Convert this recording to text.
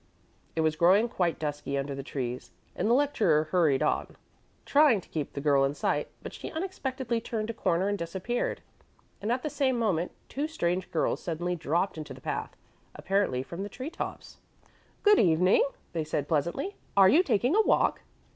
It was growing quite dusky under the trees, and the lecturer hurried on, trying to keep the girl in sight; but she unexpectedly turned a corner and disappeared, and at the same moment two strange girls suddenly dropped into the path, apparently from the tree tops. "Good evening," they said pleasantly. "Are you taking a walk?"